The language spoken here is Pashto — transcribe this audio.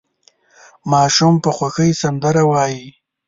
ماشوم په خوښۍ سندره وايي.